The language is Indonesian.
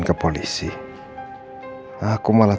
kamu harus berserah